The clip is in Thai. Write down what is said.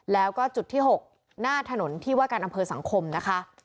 แล้วก็จุดที่๖หน้าถนนที่ว่าการอำเภอสังคมนะคะ